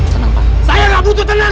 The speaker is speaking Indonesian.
siapa yang suruh anda